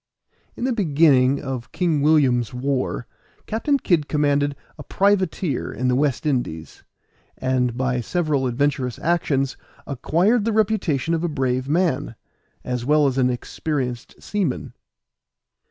In the beginning of King William's war, Captain Kid commanded a privateer in the West Indies, and by several adventurous actions acquired the reputation of a brave man, as well as an experienced seaman.